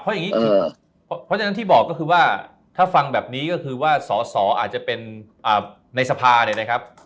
เพราะอย่างนี้เพราะฉะนั้นที่บอกก็คือว่าถ้าฟังแบบนี้ก็คือว่าสอสออาจจะเป็นในสภาเนี่ยนะครับ